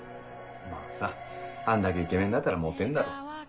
まぁさあんだけイケメンだったらモテんだろ。